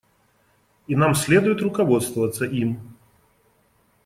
И нам следует руководствоваться им.